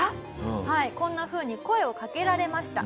こんな風に声を掛けられました。